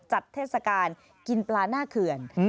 เทศกาลกินปลาหน้าเขื่อน